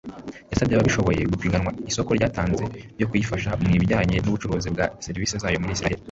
yasabye “ababishoboye gupiganirwa isoko yatanze ryo kuyifasha mu bijyanye n’iby’ubucuruzi bwa serivise zayo muri isiraheli